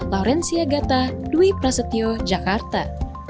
laurencia gata dwi prasetyo jakarta